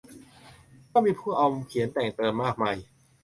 ก็มีผู้เอามาเขียนแต่งเติมมากมาย